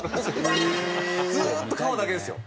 ずっと川だけですよ。